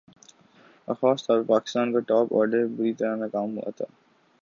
اور خاص طور پر پاکستان کا ٹاپ آرڈر بری طرح ناکام ہوا تھا